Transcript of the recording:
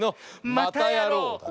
またやろう！